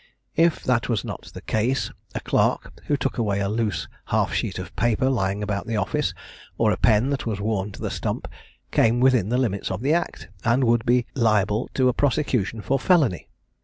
If that was not the case, a clerk who took away a loose half sheet of paper lying about the office, or a pen that was worn to the stump, came within the limits of the act, and would be liable to a prosecution for felony.